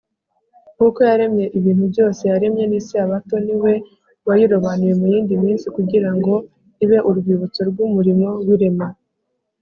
” nk’uko yaremye ibintu byose, yaremye n’isabato ni we wayirobanuye mu yindi minsi kugira ngo ibe urwibutso rw’umurimo w’irema